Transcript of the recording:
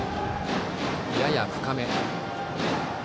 やや深め。